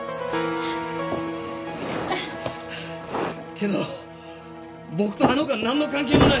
けど僕とあの子はなんの関係もない。